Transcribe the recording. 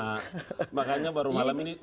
bukan ini kebanyakan bergaul dengan ijtma